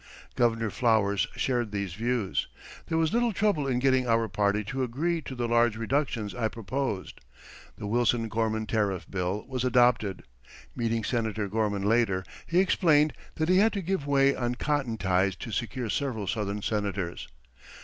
Governor Flower shared these views. There was little trouble in getting our party to agree to the large reductions I proposed. The Wilson Gorman Tariff Bill was adopted. Meeting Senator Gorman later, he explained that he had to give way on cotton ties to secure several Southern Senators.